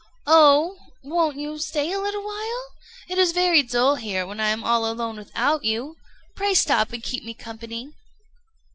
"Oh! won't you stay a little while? It is very dull here, when I am all alone without you. Pray stop and keep me company."